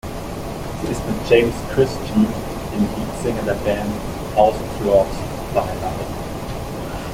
Sie ist mit James Christian, dem Leadsänger der Band House of Lords, verheiratet.